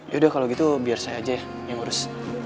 yaudah kalau gitu biar saya aja yang ngurus